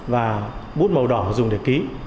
và bút màu đỏ dùng để ký